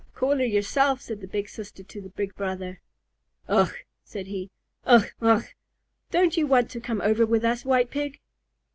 "Call her yourself," said the big sister to the big brother. "Ugh!" called he. "Ugh! Ugh! Don't you want to come over with us, White Pig?"